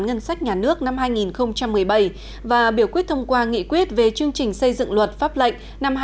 ngân sách nhà nước năm hai nghìn một mươi bảy và biểu quyết thông qua nghị quyết về chương trình xây dựng luật pháp lệnh